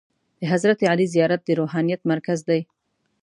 د حضرت علي زیارت د روحانیت مرکز دی.